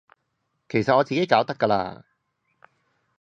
其實我自己搞得㗎喇